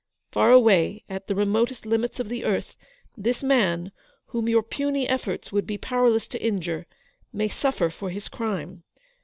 Far away at the remotest limits of the earth, this man, whom your puny efforts would be powerless to injure, may suffer for his crime.